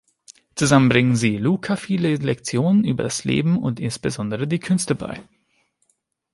Zusammen bringen sie Luca viele Lektionen über das Leben und insbesondere die Künste bei.